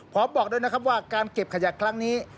บอกด้วยนะครับว่าการเก็บขยะครั้งนี้